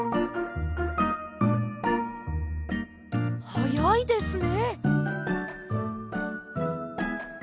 はやいですね！